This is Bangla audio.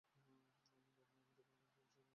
আমি ব্রাহ্মণ, আমি দেবসেবক, দেবতা আমার বিচার করিবেন।